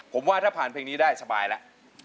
ผมว่าถ้าผ่านเพลงนี้ได้สบายแล้ว